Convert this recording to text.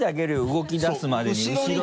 動き出すまでに後ろに。